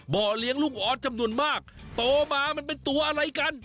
เลี้ยงลูกออสจำนวนมากโตมามันเป็นตัวอะไรกัน